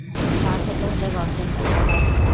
বাঘ হতে হলে গর্জন থাকতে হয়।